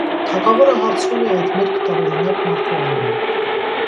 Թագավորը հարցնում է այդ մերկ տարօրինակ մարդու անունը։